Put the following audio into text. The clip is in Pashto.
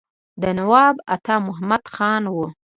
دا نواب عطا محمد خان وو.